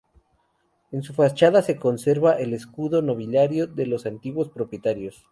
En su fachada se conserva el escudo nobiliario de los antiguos propietarios.